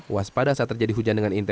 waspada saat terjadi hujan dengan indah